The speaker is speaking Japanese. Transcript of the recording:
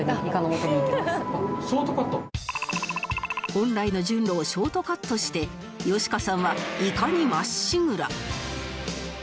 本来の順路をショートカットしてよしかさんはイカにまっしぐら